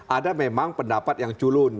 ada memang pendapat yang culun